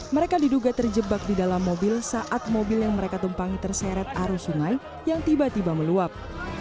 mereka diduga terjebak di dalam mobil saat mobil yang mereka tumpangi terseret arus sungai yang tiba tiba meluap